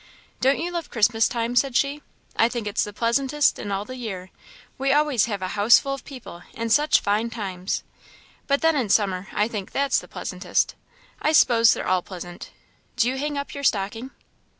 "Don't you love Christmas time?" said she; "I think it's the pleasantest in all the year; we always have a houseful of people, and such fine times. But then in summer I think that's the pleasantest. I s'pose they're all pleasant. Do you hang up your stocking?"